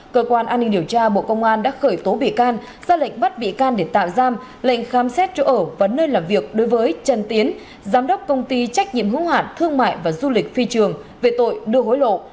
cơ quan an ninh điều tra bộ công an đã khởi tố bị can ra lệnh bắt bị can để tạm giam lệnh khám xét chỗ ở và nơi làm việc đối với trần tiến giám đốc công ty trách nhiệm hữu hạn thương mại và du lịch phi trường về tội đưa hối lộ